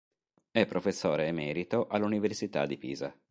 È professore emerito all'Università di Pisa.